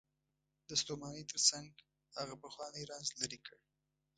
د ستومانۍ تر څنګ هغه پخوانی رنځ لرې کړ.